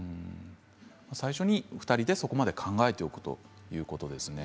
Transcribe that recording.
最初に２人で、そこまで考えておくということですね。